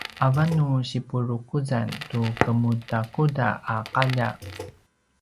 avan nu sipurukuzan tu kemudakuda a qalja